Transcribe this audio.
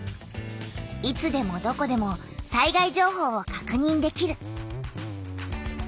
いつでもどこでも災害情報をかくにんできる。